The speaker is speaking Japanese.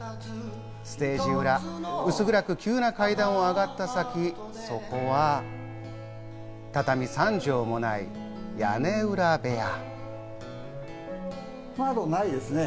ステージ裏、薄暗く急な階段を上がった先、そこは、畳３畳もない屋根裏部屋。